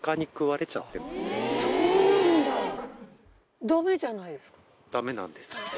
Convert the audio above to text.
そうなんだ。